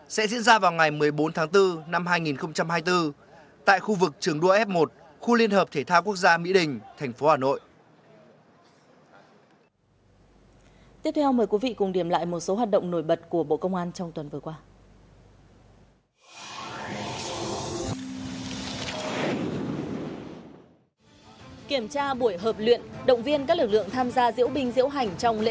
sẽ diễn ra vào ngày một mươi bốn tháng bốn năm hai nghìn hai mươi bốn tại khu vực trường đua f một khu liên hợp thể thao quốc gia mỹ đình thành phố hà nội